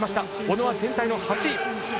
小野は全体の８位。